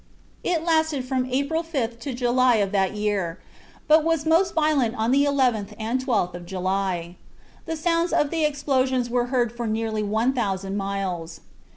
It lasted from April 5th to July of that year; but was most violent on the 11th and 12th of July. The sound of the explosions was heard for nearly one thousand miles.